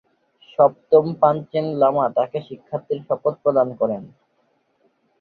সপ্তম পাঞ্চেন লামা তাকে শিক্ষার্থীর শপথ প্রদান করেন।